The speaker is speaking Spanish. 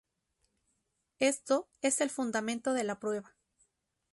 Esto es el fundamento de la prueba.